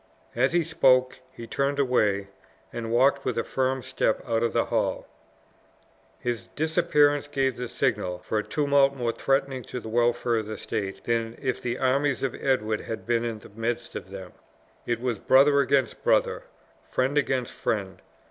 As he spoke he turned away, and walked with a firm step out of the hall. His disappearance gave the signal for a tumult more threatening to the welfare of the state, than if the armies of Edward had been in the midst of them. It was brother against brother, friend against friend.